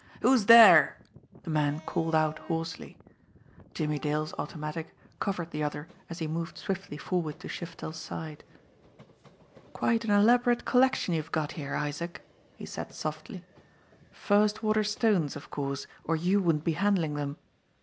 Who's there?" the man called out hoarsely. Jimmie Dale's automatic covered the other as he moved swiftly forward to Shiftel's side. "Quite an elaborate collection you've got here, Isaac," he said softly. "First water stones of course, or you wouldn't be handling them.